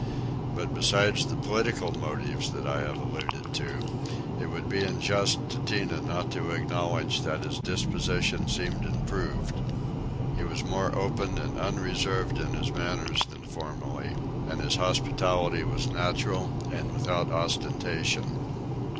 But besides the political motives that I have alluded to it would be unjust to Tinah not to acknowledge that his disposition seemed improved: he was more open and unreserved in his manners than formerly, and his hospitality was natural and without ostentation.